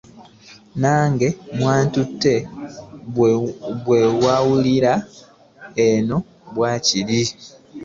Nange mwattu bw'owulira n'eno bwe kiri.